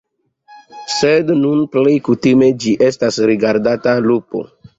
Sed nun plej kutime ĝi estas rigardata lupo.